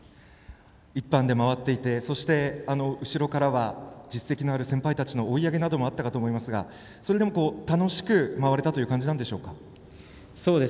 １班で回っていてそして後ろからは実績のある先輩たちの追い上げもあったかと思いますがそれでも楽しく回れたという感じなんでしょうか。